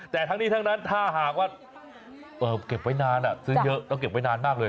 แต่ทั้งนี้ทั้งนั้นถ้าหากว่าเก็บไว้นานซื้อเยอะแล้วเก็บไว้นานมากเลย